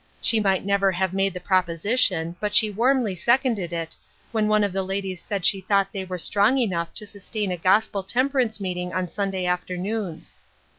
She might never have made the proposition, but she warmly seconded it, when one of the ladies said she thought they were strong enough to sustain a gospel temperance meeting on Sunday afternoons.